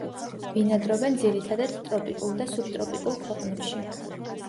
ბინადრობენ ძირითადად ტროპიკულ და სუბტროპიკულ ქვეყნებში.